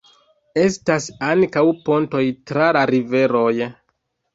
Estas ankaŭ pontoj tra la riveroj.